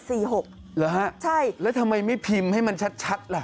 เหรอฮะใช่แล้วทำไมไม่พิมพ์ให้มันชัดล่ะ